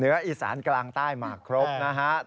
อีสานกลางใต้มาครบนะฮะ